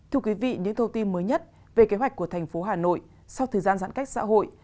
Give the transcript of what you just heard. thưa quý vị những thông tin mới nhất về kế hoạch của thành phố hà nội sau thời gian giãn cách xã hội